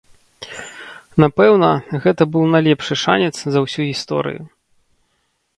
Напэўна, гэта быў найлепшы шанец за ўсю гісторыю.